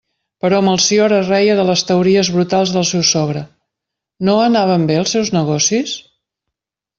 Però Melcior es reia de les teories brutals del seu sogre, No anaven bé els seus negocis?